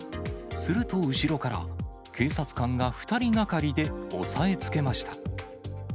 すると、後ろから警察官が２人がかりで押さえつけました。